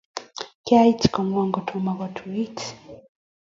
kiait kokwo kotomo kotuit.